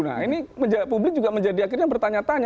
nah ini publik juga menjadi akhirnya bertanya tanya